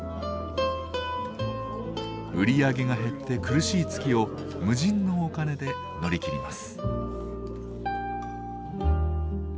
売り上げが減って苦しい月を無尽のお金で乗り切ります。